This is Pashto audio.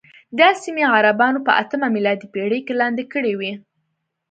دا سیمې عربانو په اتمه میلادي پېړۍ کې لاندې کړې وې.